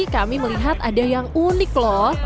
kami melihat ada yang unik lho